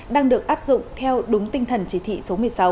đang được áp dụng theo đúng tinh thần chỉ thị số một mươi sáu